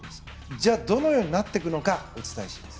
じゃあどのようになっていくのかお伝えします。